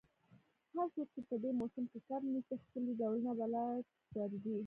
هر څوک چي په دې موسم کي کب نیسي، ښکلي ډولونه په لاس ورځي.